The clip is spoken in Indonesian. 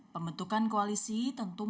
pembentukan koalisi tentu mengurangkan